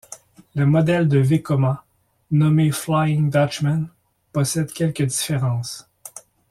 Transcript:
Le modèle de Vekoma, nommé Flying Dutchman possède quelques différences.